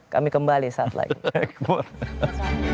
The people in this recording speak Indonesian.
kami kembali saat lagi